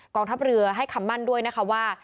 องทัพเรือให้คำมั่นด้วยนะคะว่า